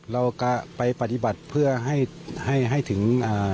เราก็ไปปฏิบัติเพื่อให้ให้ถึง